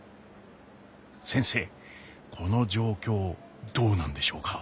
先生この状況どうなんでしょうか。